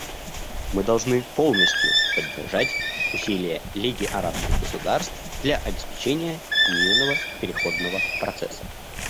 Мы должны полностью поддержать усилия Лиги арабских государств для обеспечения мирного переходного процесса.